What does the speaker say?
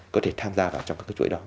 có thể tham gia vào trong các cái chuỗi đó